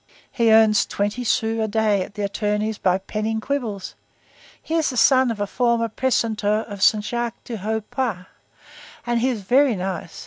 He earns twenty sous a day at an attorney's by penning quibbles. He is the son of a former precentor of Saint Jacques du Haut Pas. Ah! he is very nice.